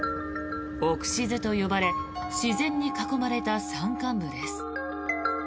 奥静と呼ばれ自然に囲まれた山間部です。